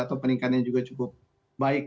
atau peningkatannya juga cukup baik